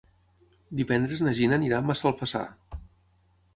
Divendres na Gina anirà a Massalfassar.